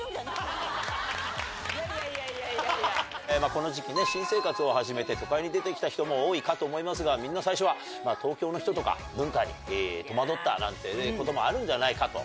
この時期新生活を始めて都会に出て来た人も多いかと思いますがみんな最初は東京の人とか文化に戸惑ったなんてこともあるんじゃないかと。